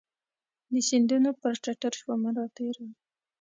د سیندونو پر ټټرشومه راتیره